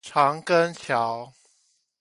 長庚橋